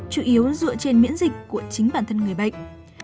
chủ yếu dựa trên miễn dịch của chính bản thân người bệnh